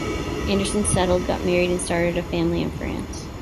Anderson settled, got married and started a family in France.